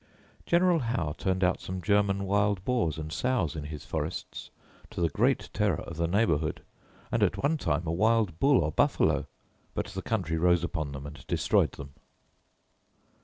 General Howe turned out some German wild boars and sows in his forests, to the great terror of the neighbourhood; and, at one time, a wild bull or buffalo: but the country rose upon them and destroyed them.